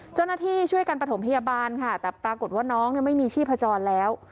เจ้าหน้าที่ช่วยกันประถมพยาบาลค่ะแต่ปรากฏว่าน้องไม่มีชีพจรแล้ว